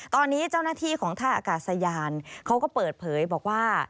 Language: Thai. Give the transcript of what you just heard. ตอนนี้เจ้าหน้าที่ของท่าอากาศยานเขาก็เปิดเผยบอกว่า